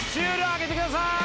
上げてください。